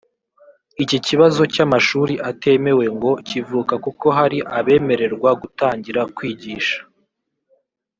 Iki kibazo cy’amashuri atemewe ngo kivuka kuko hari abemererwa gutangira kwigisha